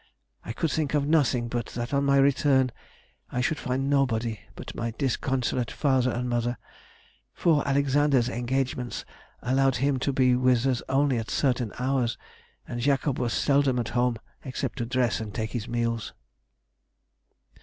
I could think of nothing but that on my return I should find nobody but my disconsolate father and mother, for Alexander's engagements allowed him to be with us only at certain hours, and Jacob was seldom at home except to dress and take his meals."